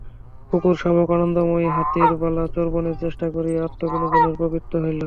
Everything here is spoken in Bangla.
কুকুর-শাবক আনন্দময়ীর হাতের বালা চর্বণের চেষ্টা করিয়া আত্মবিনোদনে প্রবৃত্ত হইল।